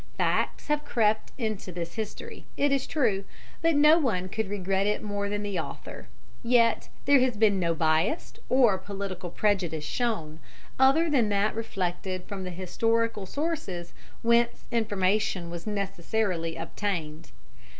Facts have crept into this history, it is true, but no one could regret it more than the author; yet there has been no bias or political prejudice shown, other than that reflected from the historical sources whence information was necessarily obtained.